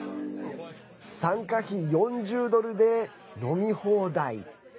参加費４０ドルで飲み放題。